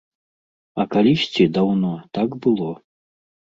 А калісьці, даўно, так было.